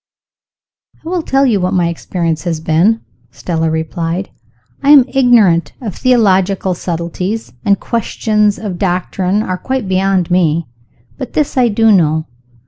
"I will tell you what my experience has been," Stella replied. "I am ignorant of theological subtleties, and questions of doctrine are quite beyond me. But this I do know.